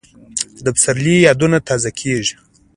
د سپرلي یادونه تازه کېږي